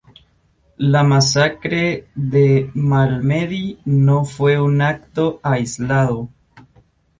La masacre de Malmedy no fue un acto aislado.